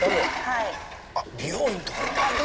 美容院とかにあるやつ？